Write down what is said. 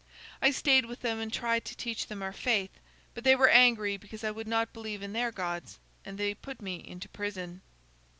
I stayed with them, and tried to teach them our faith, but they were angry because I would not believe in their gods, and they put me into prison.